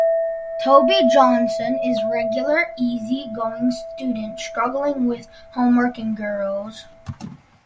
Toby Johnson is regular easy-going student struggling with homework and girls.